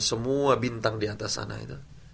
semua bintang di atas sana itu